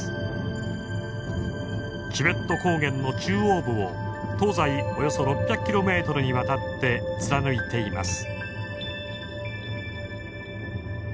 チベット高原の中央部を東西およそ６００ｋｍにわたって貫いています。